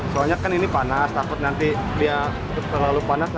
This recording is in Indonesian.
soalnya kan ini panas takut nanti dia terlalu panas